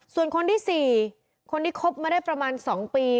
ส่วนคนที่๔คนที่คบมาได้ประมาณ๒ปี